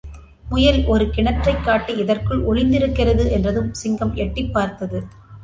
முயல் ஒரு கிணற்றைக் காட்டி, இதற்குள் ஒளிந்திருக்கிறது என்றதும், சிங்கம் எட்டிப் பார்த்தது.